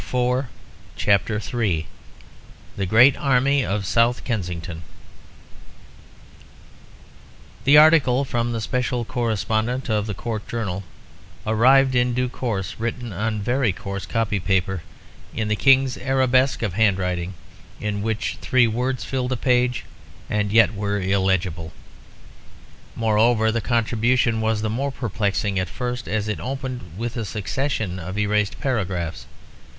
CHAPTER III The Great Army of South Kensington The article from the special correspondent of the Court Journal arrived in due course, written on very coarse copy paper in the King's arabesque of handwriting, in which three words filled a page, and yet were illegible. Moreover, the contribution was the more perplexing at first, as it opened with a succession of erased paragraphs.